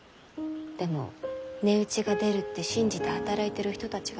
でも値打ちが出るって信じて働いてる人たちがいます。